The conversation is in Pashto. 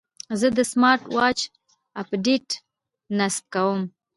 زه د سمارټ واچ اپډیټ نصب کوم.